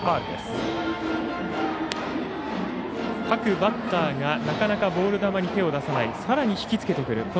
各バッターがなかなかボール球に手を出さないさらに引きつけてくる。